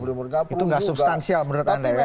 itu substansial menurut anda ya